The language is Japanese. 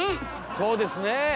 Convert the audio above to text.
そうですね。